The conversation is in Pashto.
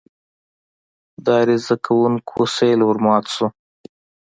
د عریضه کوونکو سېل ورمات شو.